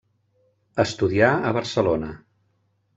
Estudià a Barcelona.